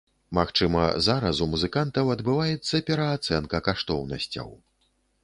Магчыма, зараз у музыкантаў адбываецца пераацэнка каштоўнасцяў.